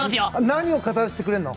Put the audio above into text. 何を語らせてくれるの。